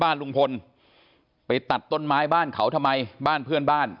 บ้านลุงพลไปตัดต้นไม้บ้านเขาทำไมบ้านเพื่อนบ้าน